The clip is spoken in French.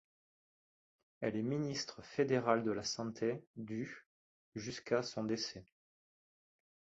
Elle est ministre fédérale de la Santé du jusqu'à son décès.